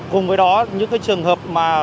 cùng với đó những trường hợp